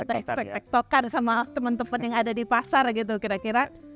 kita tektokan sama teman teman yang ada di pasar gitu kira kira